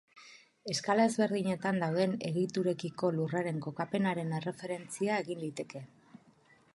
Eskala ezberdinetan dauden egiturekiko Lurraren kokapenaren erreferentzia egin liteke.